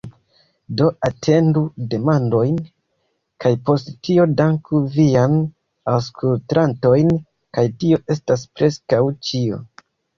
Do atendu demandojn kaj post tio danku vian aŭskutlantojn kaj tio estas preskaŭ ĉio